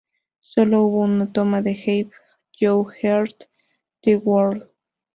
Solo hubo una toma de Have You heard The Word.